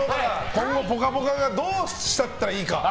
今後「ぽかぽか」がどうしたらいいか。